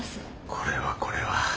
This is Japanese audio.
これはこれは。